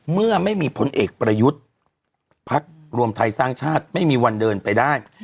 เมื่อไม่มีพลเอกประยุทธ์พักรวมไทยสร้างชาติไม่มีวันเดินไปได้